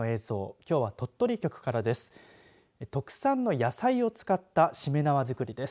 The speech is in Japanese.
きょうは鳥取局からです。